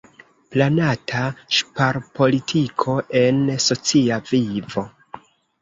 Planata ŝparpolitiko en socia vivo.